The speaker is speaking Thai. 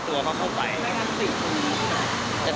แต่ถ้าอยากจะตีเขาก็ไม่ได้อย่างนี้หรอก